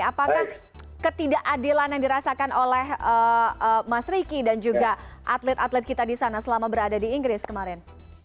apakah ketidakadilan yang dirasakan oleh mas ricky dan juga atlet atlet kita di sana selama berada di inggris kemarin